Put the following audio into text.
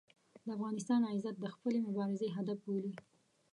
د افغانستان عزت د خپلې مبارزې هدف بولي.